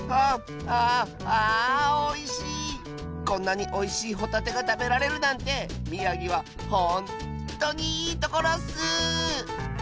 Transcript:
こんなにおいしいホタテがたべられるなんてみやぎはほんとにいいところッス！